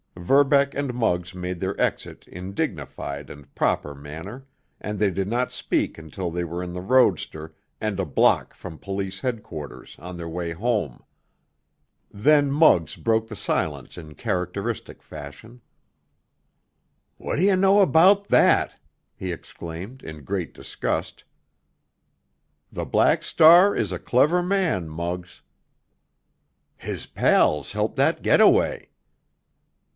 Verbeck and Muggs made their exit in dignified and proper manner, and they did not speak until they were in the roadster and a block from police headquarters, on their way home. Then Muggs broke the silence in characteristic fashion. "Whaddaya know about that!" he exclaimed in great disgust. "The Black Star is a clever man, Muggs." "His pals helped that get away."